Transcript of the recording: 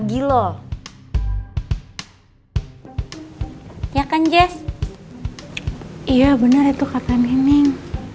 iya bener itu kata neneng